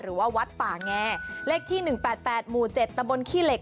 หรือว่าวัดป่าแงเลขที่๑๘๘หมู่๗ตะบนขี้เหล็ก